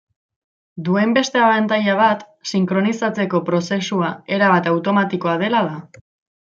Duen beste abantaila bat sinkronizatzeko prozesua erabat automatikoa dela da.